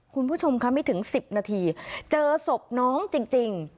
คุณผู้ชมค่ะไม่ถึง๑๐นาทีเจอศพน้องจริง